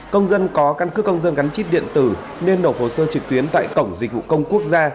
công dân có căn cứ công dân gắn chip điện tử nên nộp hồ sơ trực tuyến tại cổng dịch vụ công quốc gia